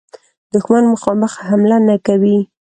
دښمن مخامخ حمله نه کوي.